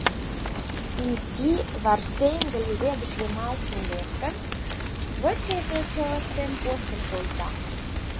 Изи варсеҥге, леведыш йымачын лектын, выче-выче ыштен коштын колта.